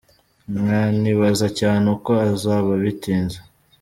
Nkanibaza cyane, uko azaba bitinze.